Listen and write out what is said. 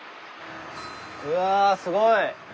うわすごい！